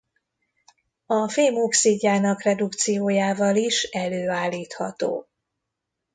A fém oxidjának redukciójával is előállítható.